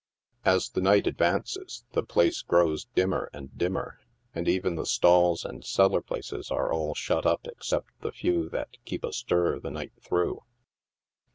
As the night advances, the place grows dimmer and dimmer, and even the stalls and cellar places are all shut up except the few that keep astir the night through.